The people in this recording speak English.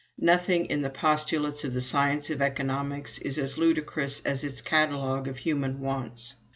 Nothing in the postulates of the science of Economics is as ludicrous as its catalogue of human wants.